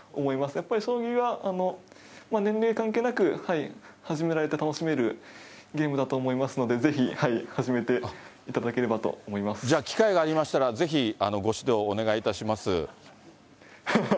やっぱり将棋は、年齢関係なく始められて、楽しめるゲームだと思いますので、ぜひ始めていただければと思いまじゃあ、機会がありましたら、ぜひご指導をお願いいたします。